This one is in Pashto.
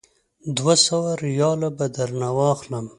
دوه سوه ریاله به درنه واخلم.